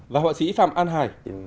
và họa sĩ phạm an hải